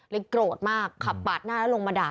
โกรธมากขับปาดหน้าแล้วลงมาด่า